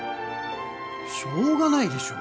しょうがないでしょ